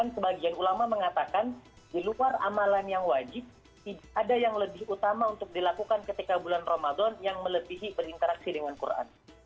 sebagian ulama mengatakan di luar amalan yang wajib tidak ada yang lebih utama untuk dilakukan ketika bulan ramadan yang melebihi berinteraksi dengan quran